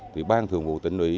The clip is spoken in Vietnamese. thì bang thường vụ tỉnh ủy